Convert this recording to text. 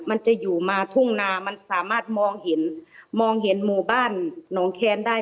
มันจะอยู่มาทุ่งนามันสามารถมองเห็นมองเห็นหมู่บ้านหนองแคนได้